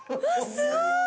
◆すごい。